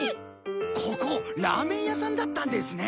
ここラーメン屋さんだったんですね。